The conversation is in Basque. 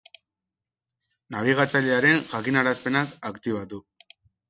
Nabigatzailearen jakinarazpenak aktibatu.